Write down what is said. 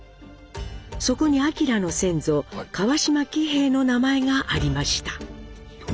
そこに明の先祖川島喜兵衛の名前がありました。